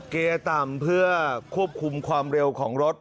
เกียร์ต่ำเพื่อควบคุมความเร็วของรถ